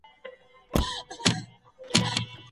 هغه ټولنه چي علم لري پرمختګ کوي.